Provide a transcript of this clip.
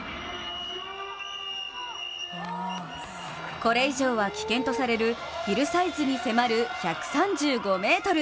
これ以上は危険とされるヒルサイズに迫る１３５ｍ。